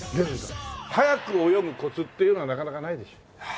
速く泳ぐコツっていうのはなかなかないでしょ？